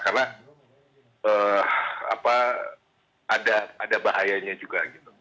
karena ada bahayanya juga gitu